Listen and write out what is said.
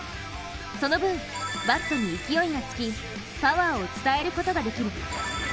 その分、バットに勢いがつきパワーを伝えることができる。